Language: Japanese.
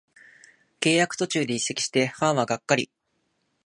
契約途中で移籍してファンはがっかり